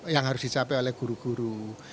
yang harus dicapai oleh guru guru